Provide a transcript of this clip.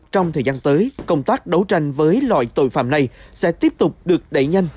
trong thời gian tới công tác đấu tranh với loại tội phạm này sẽ tiếp tục được đẩy nhanh